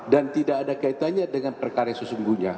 dan tidak ada kaitannya dengan perkara sesungguhnya